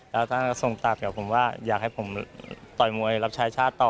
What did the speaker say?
แล้วท่านก็ส่งกลับจากผมว่าอยากให้ผมต่อยมวยรับชายชาติต่อ